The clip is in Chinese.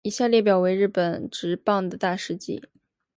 以下列表为日本职棒的大事纪。